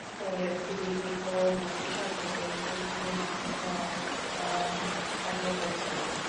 ফলে সিরিজের পরবর্তী সকল টেস্টেই তুলনামূলকভাবে কম কার্যকর ছিলেন।